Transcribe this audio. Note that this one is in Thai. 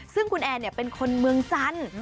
ซึ่งคุณแอนเป็นคนเมืองจันทร์